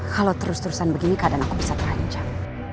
kalau terus terusan begini keadaan aku bisa terancam